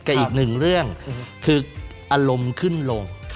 อีกหนึ่งเรื่องคืออารมณ์ขึ้นลง